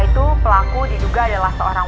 itu pelaku diduga adalah seorang